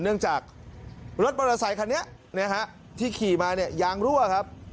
เนื่องจากรถมอเตอร์ไซคันนี้นะฮะที่ขี่มาเนี่ยยางรั่วครับ